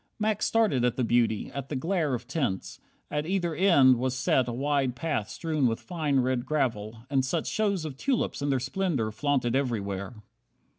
Max started at the beauty, at the glare Of tints. At either end was set a wide Path strewn with fine, red gravel, and such shows Of tulips in their splendour flaunted everywhere!